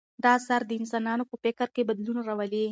دا اثر د انسانانو په فکر کې بدلون راولي.